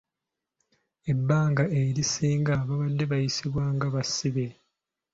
Ebbanga erisinga babadde bayisibwa nga basibe.